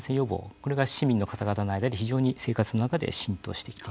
これが市民の方々の間で非常に生活の中で浸透していってる。